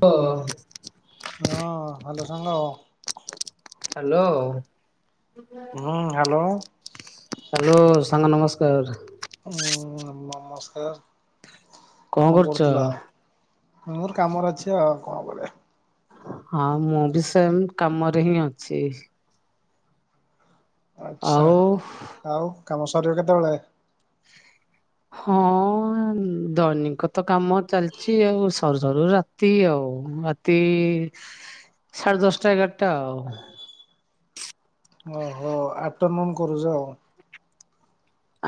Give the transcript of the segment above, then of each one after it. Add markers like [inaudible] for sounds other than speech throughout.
ପ [unintelligible] ହଁ ହାଲୋ ସାଙ୍ଗ। ହାଲୋ। ହୁଁ ହ୍ୟାଲୋ। ହ୍ୟାଲୋ ସାଙ୍ଗ ନମସ୍କାର। ହୁଁ ନମସ୍କାର କଣ କରୁଥିଲ? ମୋର କାମରେ ଅଛି ଆଉ କଣ କରିବା। ହଁ ମୁଁ ବି ସେମ କାମରେ ହିଁ ଅଛି। ଆଚ୍ଛା ଆଉ ଆଉ କାମ ସରିବ କେତେବେଳେ? ହଁ। ଦୈନିକ ତ କାମ ଚାଲିଛି ଆଉ ସରୁ ସରୁ ରାତି ଆଉ। ରାତି ସାଢ଼େ ଦଶଟା ଏଗାରଟା ଆଉ। ୱ ହୋ ଆଫ୍ଟରନୁନ୍ କରୁଛ ଆଉ।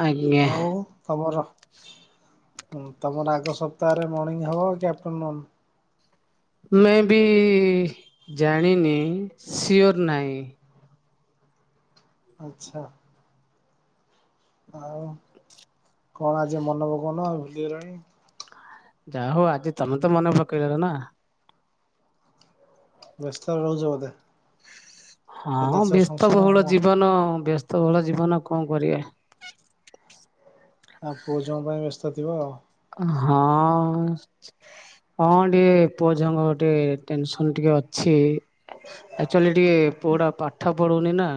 ଆଜ୍ଞା ଆଉ ତମର ହଁ ତମର ଆଗ ସପ୍ତାହରେ ମର୍ଣିଂ ହବ କି ଆଫ୍ଟରନୁନ? ମେଵି ଜାଣିନି ସିଓର ନାହିଁ। ଆଛା। ଆଉ କଣ ଆଜି ମନ ପକଉନ ଆଉ ଭୁଲିଗଲଣି। ଯା ହଉ ଆଜି ତମେ ତ ମନେ ପକେଇଦେଲ ନା। ବ୍ୟସ୍ତରେ ରହୁଚ ଵୋଧେ। ହଁ ବ୍ୟସ୍ତବହୁଳ ଆଉ ଜୀବନ ବ୍ୟସ୍ତବହୁଳ ଜୀବନ କଣ କରିବା। ହଁ ପୁଅ, ଝୁଅଙ୍କ ପାଇଁ ବ୍ୟସ୍ତ ଥିବ ଆଉ। ହଁ। ହଁ ଟିକେ ପୁଅ ଝିଅଙ୍କ ଟିକେ ଟେନସନ ଟିକେ ଅଛି। ଆଚୁଆଲି ଟିକେ ପୁଅ ଟା ପାଠ ପଢୁନି ନା।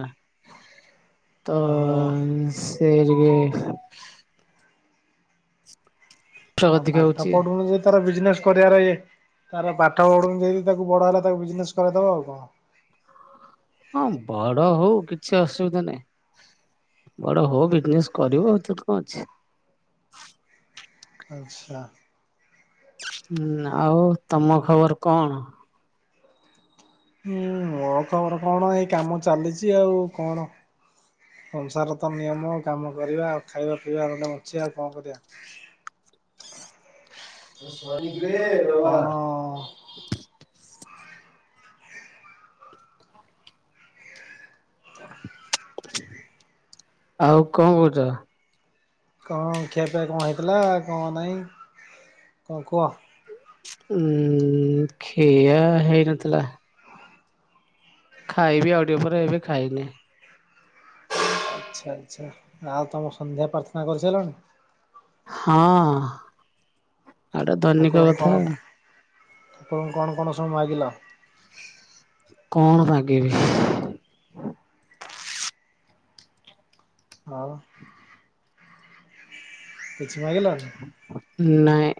[unintelligible] ତ ସେ ଟିକେ ଟ ଆଉ ଅଧିକା ପାଠ ହଉଛି ପଢୁନୁ ଯଦି ତାର ବିଜନେସ କରିବାରେ ଇ ତାର ପାଠ ପଢୁ ଯଦି ତାକୁ ବଡ ହେଲା ତାକୁ ବିଜନେସ କରାଇଦବ ଆଉ କଣ। ହଁ ବଡ ହଉ କିଛି ଅସୁବିଧା ନାହିଁ। ବଡ ହଉ ବିଜନେସ କରିବ ସେଥିରେ କଣ ଅଛି। ଆଚ୍ଛା। ହୁଁ ଆଉ ତମ ଖବର କଣ? ହୁଁ ମୋର ଖବର କଣ ଏଇ କାମ ଚାଲିଛି ଆଉ କଣ? ସଂସାର ତ ନିୟମ କାମ କରିବା ଆଉ ଖାଇବା ପିଇବା ଗଣ୍ଡେ ବଞ୍ଚିବା ଆଉ କଣ କରିବା। କଣ [unintelligible] ଆଉ କଣ କହୁଛ? କଣ ଖିଆ ପିଆ କଣ ହେଇଥିଲା କଣ ନାଇଁ କଣ କୁହ। ଉୁଁ ଖିଆ ହେଇନଥିଲା। ଖାଇବି ଆଉ ଟିକେ ପରେ ଏବେ ଖାଇନି। ଆଚ୍ଛା ଆଚ୍ଛା ଆଉ ତମ ସନ୍ଧ୍ୟା ପ୍ରାର୍ଥନା କରିସାରିଲଣି। ହଁ। ଆଉଟା ଧନିକ ଠାକୁରଙ୍କୁ କଥା କଣ ଠାକୁରଙ୍କୁ କଣ କଣ ସବୁ ମାଗିଲ। କଣ ମାଗିବି? ଆଉ। କିଛି ମାଗିଲନି। ନାଇଁ।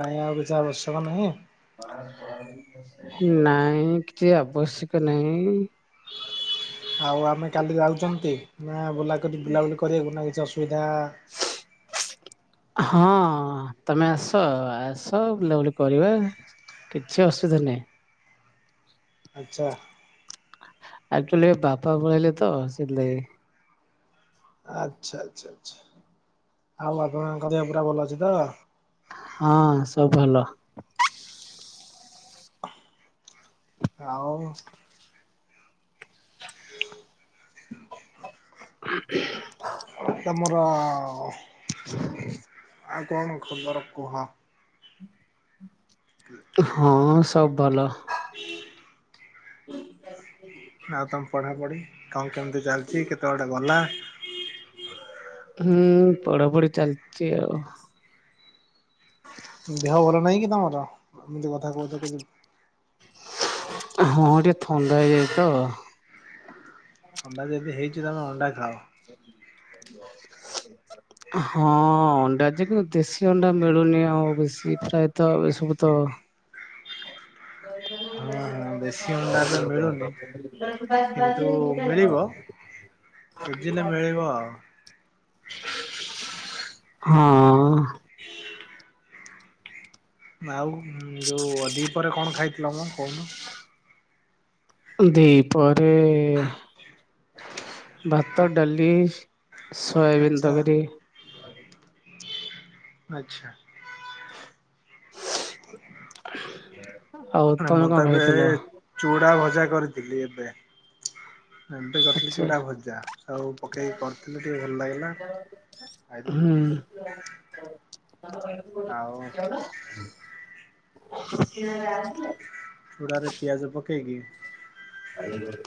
କାଈ ଆଉ କିଛି ଆବଶ୍ୟକ ନାହିଁ। ନାଇଁ କିଛି ଆବଶ୍ୟକ ନାହିଁ। ଆଉ ଆମେ କାଲି ଯାଉଚନ୍ତି ନା ବୁଲା କରି ବୁଲାବୁଲି କରିବାକୁ ନା କିଛି ଅସୁବିଧା [unintelligible] ହଁ ତମେ ଆସ ଆସ ବୁଲାବୁଲି କରିବା। କିଛି ଅସୁବିଧା ନାହିଁ। ଆଚ୍ଛା। ଆକଚୁଆଲି ଏ ବାପା ପଳେଇଲେ ତ ସେଇଥିଲାଗି। ଆଚ୍ଛା ଆଚ୍ଛା ଆଚ୍ଛା ଆଉ ଆପଣ କ ପା ଭଲ ଅଛି ତ? ହଁ ସବୁ ଭଲ। ଆଉ? [unintelligible] ହ [unintelligible] ତମର ଆଉ କଣ ଖବର କୁହ। ହଁ ସବୁ ଭଲ। ଆଉ ତମ ପଢ଼ାପଢ଼ି କଣ କେମିତି ଚାଲିଚି କେତେ ବାଟେ ଗଲା? [inaudible] ହ ହୁଁ ପଢାପଢି ଚାଲିଚି ଆଉ। ଦେହ ଭଲ ନାହିଁ କି ତମର ଏମିତି କଥା କହୁଚ କି ହଁ ଟିକିେ ଥଣ୍ଡା ହେଇଯାଇଚି ତ। ଅଣ୍ଡା ଯଦି ହେଇଚି ତମେ ଅଣ୍ଡା ଖାଅ। ହ [inaudible] ହଁ ଅଣ୍ଡା ଯେ କିନ୍ତୁ ଦେଶୀ ଅଣ୍ଡା ମିଳୁନି ଆଉ ବେଶୀ ଫ୍ରାଏ ତ ଏ ସବୁ ତ ହଁ ହଁ ଦେଶୀ ଅଣ୍ଡା ଏବେ ମିଳୁନି କିନ୍ତୁ ମିଳିବ ଖୋଜିଲେ ମିଳିବ ଆଉ। ହଁ। ଆଉ ଯୋଉ ଦିପହରେ କଣ ଖାଇଥିଲମ କହୁନ। ଦିପହର ରେ ଭାତ ଡାଲି ସୋୟାବିନ ଆଚ୍ଛା ତରକାରୀ। ଆଚ୍ଛା। ଆଉ ନା, ମୁଁ ତମେ ତ କଣ ଏବେ ଖାଇଥିଲ? ଚୁଡ଼ା ଭଜା କରିଥିଲି ଏବେ। ଏବେ କରିଥିଲି ଆଚ୍ଛା ଚୁଡା ଭଜା ସବୁ ପକେଇକି କରିଥିଲି ଟିକେ ଭଲ ଲାଗିଲା। ଖାଇଲି। ହୁଁ। ଆଉ [inaudible] [inaudible] ଚୁଡ଼ାରେ ପିଆଜ ପକେଇକି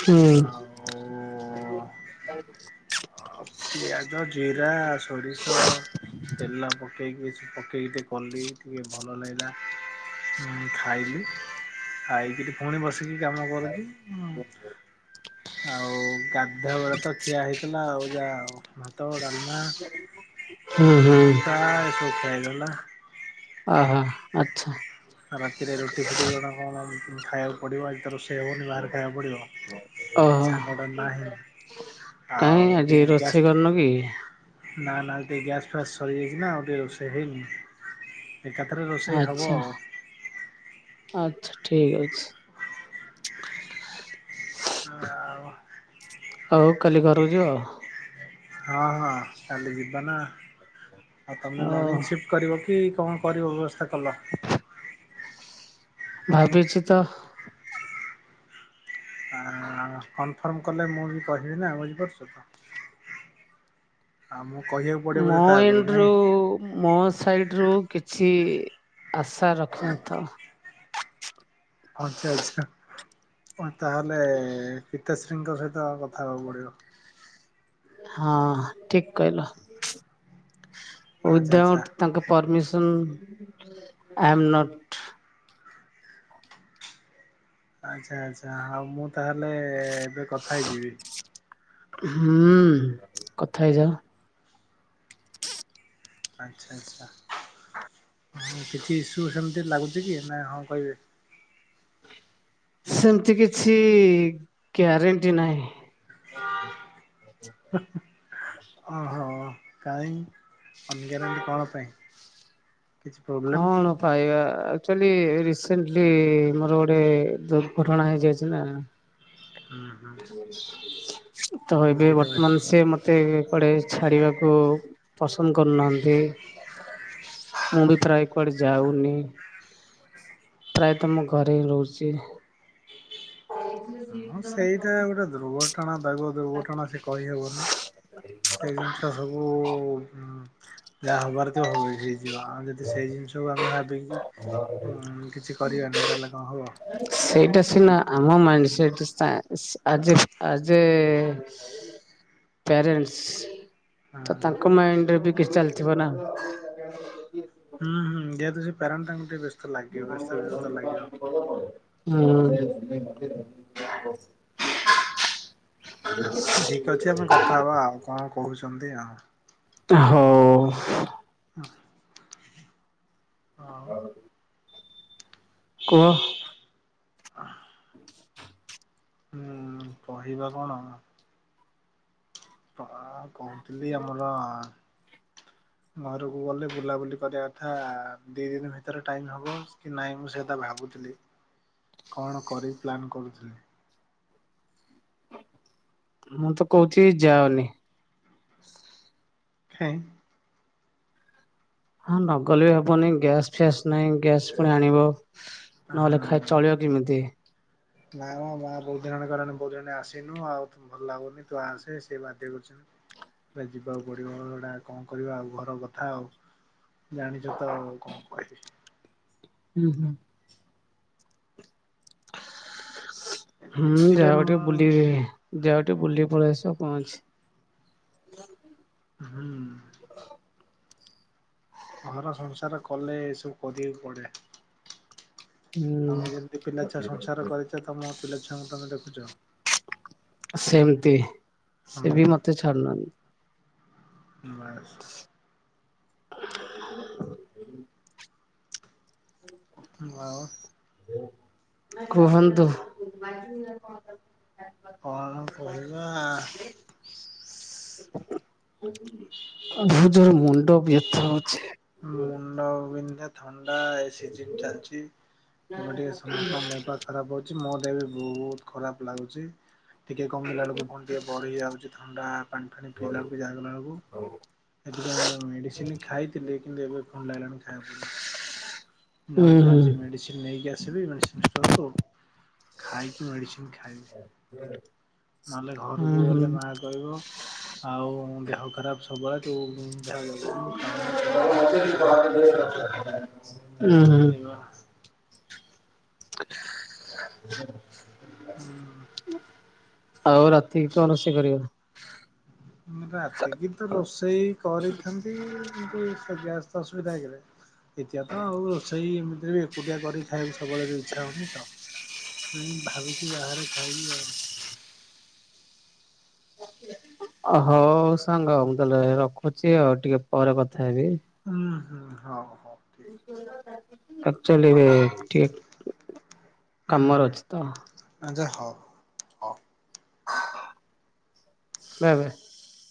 ହୁଁ। ଆଉ ପିଆଜ ଜିରା ସୋରିଷ ତେଲ ପକେଇକି ପକେଇକି ଟିକେ କଲି ଟିକେ ଭଲ ଲାଗିଲା। ମୁଁ ଖାଇଲିି ଖାଇକିରି ପୁଣି ବସିକି କାମ କରୁଚି ଆଉ ଗାଧୁଆବେଳେ ତ ଖିଆ ହେଇଥିଲା ଆଉ ଯା ଭାତ ଡାଲମା [inaudible] ହୁଁ ହୁଁ ଅ ହ ଆଛା। ରାତିରେ ରୁଟି ଫୁଟି କ କଣ ଖାଇବାକୁ ପଡ଼ିବ ଆଜି ତ ରୋଷେଇ ହେବନି ବାହାରେ ଖାଇବାକୁ ପଡ଼ିବ। ଓହୋ ସାଙ୍ଗଟା ନାହିଁ ଆଉ ଟିକେ ଗ୍ୟାସ୍ ନୁ କି। ନା ନା ଏ ଟିକେ ଗ୍ୟାସ ଫ୍ୟାସ ସରିଯାଇଛି ନା ଆଉ ଟିକେ ରୋଷେଇ ହେଇନି। ଏକାଥରେ ରୋଷେଇ ହବ ଆଛା। ଆଉ। ଆଚ୍ଛା ଠିକ ଅଛି। ହଁ ଆଉ। ଆଉ କାଲି ଘରକୁ ଯିବ? ହଁ ହଁ କାଲି ଯିବା ନାଁ ଆଉ ତମେ ଓ ମର୍ଣ୍ଣିଂ ସିଫ୍ଟ କରିବ କି କଣ କରିବ ବ୍ୟବସ୍ଥା କଲ। ଭାବିଛି ତ। ହଁ କନଫର୍ମ କଲେ ମୁଁ ବି କହିବି ନା ବୁଝିପାରୁଛ ତ। ଆଉ ମୁଁ କହିବାକୁ ପଡିବ ବୋଧେ ମୋ ତା ଆଗରୁ ଏଣ୍ଡରୁ ନାଇଁ। ମୋ ସାଇଡ ରୁ କିଛି ଆଶା ରଖିନଥାଅ। ଆନଛା ଆଚ୍ଛା ତାହେଲେ ପିତାଶ୍ରୀଙ୍କ ସହିତ କଥା ହେବାକୁ ପଡିବ। ହଁ ଠିକ କହିଲ, ଆଚ୍ଛା ଆଚ୍ଛା। ଉଇଦାଆଉଟ୍ ତାଙ୍କ ପରମିଶନ୍ ଆଇ ଆମ ନଟ୍, ଆଚ୍ଛା ଆଚ୍ଛା ହଉ ମୁଁ ତାହେଲେ ଏବେ କଥା ହେଇଯିବି। ହୁଁ କଥା ହେଇଯାଅ। ଆଚ୍ଛା ଆଚ୍ଛା ହଁ କିଛି ଇସ୍ୟୁ ସେମିତି ଲାଗୁଛି କି ନା ହଁ କହିବେ। ସେମିତି କିଛି ଗ୍ୟାରେଣ୍ଟି ନାହିଁ। [unintelligible] ଓହୋ କାହିଁ ଅନଗାରେଣ୍ଟି କଣ ପାଇଁ? କିଛି ପ୍ରୋବ୍ଲେମ୍ କଣ। ପାଇବା ଏକ୍ଟୁଆଲି ରିସେଣ୍ଟଲି ମୋର ଗୋଟେ ଦୁର୍ଘଟଣା ହେଇଯାଇଛି ନାଁ। ହୁଁ। ହୁଁ ତ ଏବେ ବୁଝିଲି ବୁଝିଲି। ବର୍ତ୍ତମାନ ସେ ମ ତେ କୁଆଡ଼େ ଛାଡ଼ିବାକୁ ପସନ୍ଦ କରୁନାହାନ୍ତି। ମୁଁ ବି ପ୍ରାୟ କୁଆଡ଼େ ଯାଉନି, ପ୍ରାୟତଃ ମୁଁ ଘରେ ହିଁ ରହୁଚି। ହଁ ସେଇଟା ଗୋଟେ ଦୁର୍ଘଟଣା ଦଇବ ଦୁର୍ଘଟଣା ସେ କହିହବନି। ସେ ଜିନିଷ ସବୁ ଉଁ ଯାହା ହବାରଥିବ ହେଇଯିବ ଆମେ ଯଦି ସେଇ ଜିନିଷକୁ ଆମେ ଭାବିକି ହୁଁ କିଛି କରିବାନି ତାହେଲେ କଣ ହବ। ସେଇଟା ସେଇ ସିନା ଆମ ମାଇଣ୍ଡ ସେଟ ସାଆ ସା ଆଜ ଏ ଆଜ ଏ ପାରେଣ୍ଟସ ହଁ ତ ତାଙ୍କ ମାଇଣ୍ଡରେ ବି କିଛି ଚାଲିଥିବ ନା। [inaudible] ହୁଁ ହୁଁ ଯେହେତୁ ସିଏ ପ୍ୟରେଣ୍ଟ ତାଙ୍କୁ ଟିକେ ବ୍ୟସ୍ତ ଲାଗିବ ବ୍ୟସ୍ତ ବିବ୍ରତ ଲାଗିବ। [unintelligible] ଉ ହୁଁ। ଠିକ୍ ଅଛି ଆମେ କଥା ହବା ଆଉ କଣ କହୁଛନ୍ତି ଆଉ। ତୁ ହଁ। [unintelligible] ହିଁ। କୁହ? ହୁଁ କହିବା କଣ? କଣ କହୁଥିଲି ଆମର ଘରକୁ ଗଲେ ବୁଲାବୁଲି କରିବା କଥା ଦି ଦିନ୍ ଭିତରେ ଟାଇମ୍ ହବ କି ନାଇଁ ମୁଁ ସେ କଥା ଭାବୁ ଥିଲି କଣ କରିବି ପ୍ଲାନ୍ କରୁଥିଲି। ମୁଁ ତ କହୁଚି ଯାଅନି। କାଇଁ। ହଁ ନଗଲେ ବି ହବନି ଗ୍ୟାସ୍ ଫ୍ୟାସ୍ ନାହିଁ ଗ୍ୟାସ୍ ପୁଣି ଆଣିବ ନହେଲେ ଖାଇ ଚଳିବ କେମିତି। ନାଇଁମ ମା ବହୁତ୍ ଦିନିହେଲା କଇଲାଣି ବହୁତ୍ କୋଉଦିନ ଆସିନୁ ଆଉୁ ତୁ ଭଲ୍ ଲାଗୁନି ତୁ ଆସେ ସେ ବାଧ୍ୟ୍ୟ କରୁଚନ୍ତି। ଭାଇ ଯିବାକୁ ପଡ଼ିବ ହେଟା ଙ୍କ କରିବା ଆଉ ଘର କଥା ଆଉ। ଜାଣିଚ ତ ଆଉ କଣ କହିବି। ହୁଁ ହୁଁ। ହୁଁ ଏଥିରେ ଯାଅ ଟିକେ ମୁଁ ବୁଲି ଯାଅ ଟିକେ ବୁଲି ପଳେଇଆସିବ ଙ୍କ ଅଛି। [inaudible] ହୁଁ। [inaudible] ଘର ସଂସାର କଲେ ଏସବୁ କରିବାକୁ ପଡ଼େ। ହୁଁ ଆମେ ଯେମିତି ପିଲାଛୁଆ ସଂସାର କରିଛ ତମ ପିଲାଛୁଆଙ୍କୁ ତମେ ଦେଖୁଚ। ସେମ୍ତି ସେବି ମତେ ଛାଡ଼ୁ ନାହାନ୍ତି। ବାସ୍। [inaudible] ହୁଁ ଆଉ। କୁହନ୍ତୁ? କଣ କହିବା? ଭଉ ଜୋରେ ମଣ୍ଡ ବ୍ୟାଥା ହଉଚି। ମୁଣ୍ଡବିନ୍ଧା ଥଣ୍ଡା ଏ ସିଜନ୍ ଚାଲ୍ଚି ଏବେ ଟିକେ ସମସ୍ତଙ୍କ ଦେହ ପା ଖରାପ୍ ହଉ ଚି ମୋ ଦେହ ବି ବହୁତ୍ ଖରାପ୍ ଲାଗୁଚି। ଟିକେ କମିଲା ବେଳକୁ ପୁଣି ଟିକେ ବଢି ହେଇଯାଉଛି ଥଣ୍ଡା ପାଣି ଫାଣି ପିଇଲା ବେଳକୁ [unintelligible] ବେଳୁକୁ ସେଥିପାଇଁ ମୁଁ ମେଡ଼ିସିନ୍ ଖାଇଥିଲି କିନ୍ତୁ ଏବେ ଥଣ୍ଡା ହେଲାଣି ଖାଇବା କୁ ପଡିବ ହୁଁ ଯାଉଚି ହୁଁ। ଆଜି ମେଡ଼ିସିନ୍ ନେଇକି ଆସିବି ମେଡିସି ଷ୍ଟୋର୍ ରୁ ଖାଇକି ମେଡ଼ିସିନ୍ ଖାଇବି। ନହେଲେ ହୁଁ ହୁଁ ଘରକୁଗଲେ ମା ରହିବ ଆଉ ଦେହ ଖରାପ୍ ସବୁବେଳେ ତୁ ଦେହ ଯଗୁନୁ ଖାଉନୁ। ତମେ ଏମିତି ସବୁ ରୁହ। ଉଁ ହୁଁ ହୁଁ। [unintelligible] ଆଉ ରାତିି କି କଣ ରୋଷେଇ କରିବ? ମୁ ରାତିକି ତ ରୋଷେଇ କରିଥାନ୍ତି କିନ୍ତୁ ଗ୍ୟାସ୍ ତ ଅସୁବିଧା ହେଇଗଲା। [unintelligible] ଦିତୀୟ ତ ଆଉ ରୋଷେଇ ଏମିତିରେ ବି ଏକୁଟିଆ କରିିକିଖାଇବାକୁ ସବୁବେଳେ ବି ଇଚ୍ଛା ହଉନି ତ। ନାଇଁ ଭାବିଛି ବାହାରେ ଖାଇବି ଆଉ। ଅହଉ ସାଙ୍ଗ ମୁଁ ତାହେଲେ ରଖୁଛି ଆଉ ଟିକେ ପରେ କଥା ହେବି? ଉଁ ହୁଁ ହଉ ହଉ। [unintelligible] ଆକ୍ଚୋଲି ଟିକେ କାମରେ ଅଛି ତ ଆଜା ହଉ। [unintelligible]